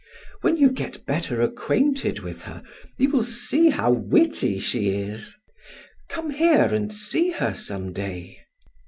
When you get better acquainted with her, you will see how witty she is! Come here and see her some day."